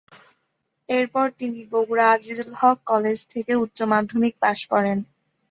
এরপর তিনি বগুড়া আজিজুল হক কলেজ থেকে উচ্চ মাধ্যমিক পাশ করেন।